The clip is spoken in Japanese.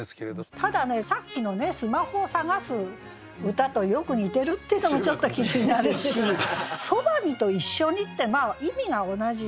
ただねさっきのスマホを探す歌とよく似てるっていうのがちょっと気になるし「傍に」と「一緒に」って意味が同じ。